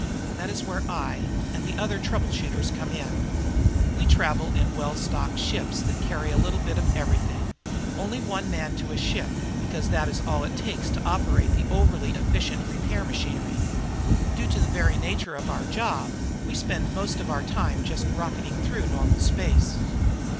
That is where I and the other trouble shooters came in. We travel in well stocked ships that carry a little bit of everything; only one man to a ship because that is all it takes to operate the overly efficient repair machinery. Due to the very nature of our job, we spend most of our time just rocketing through normal space.